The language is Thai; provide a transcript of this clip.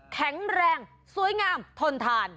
แข็งแรงสวยงามทนทาน